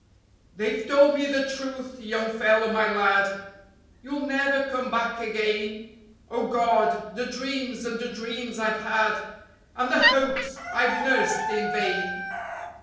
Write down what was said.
..... "They've told me the truth, Young Fellow My Lad: You'll never come back again: _(OH GOD! THE DREAMS AND THE DREAMS I'VE HAD, AND THE HOPES I'VE NURSED IN VAIN!)